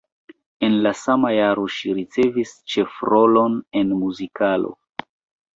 En la sama jaro ŝi ricevis ĉefrolon en muzikalo.